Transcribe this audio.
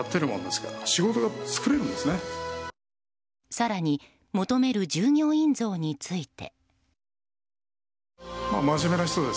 更に、求める従業員像について。